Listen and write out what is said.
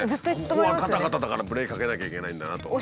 ここがガタガタだからブレーキかけなきゃいけないんだなとか。